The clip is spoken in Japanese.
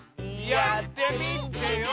やってみてよ！